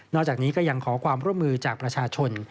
จากนี้ก็ยังขอความร่วมมือจากประชาชน